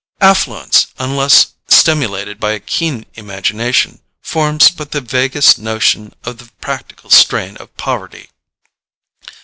Affluence, unless stimulated by a keen imagination, forms but the vaguest notion of the practical strain of poverty.